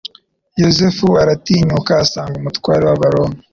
Yosefu aratinyuka asanga umutware w'Abaroma